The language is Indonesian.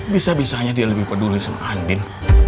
bisa bisanya dia lebih peduli sama andin